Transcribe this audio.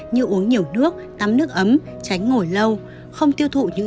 như uống nhiều nước tắm nước ấm tránh ngồi lâu